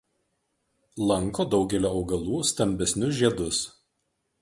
Lanko daugelio augalų stambesnius žiedus.